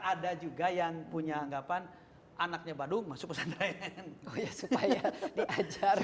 sekarang ada juga yang punya anggapan anaknya badung masuk pesantren